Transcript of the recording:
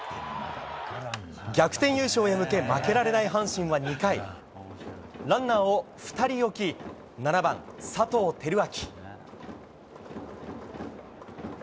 逆転優勝へ向け負けられない阪神は２回ランナーを２人置き７番、佐藤輝明。